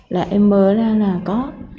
là em mới ra là có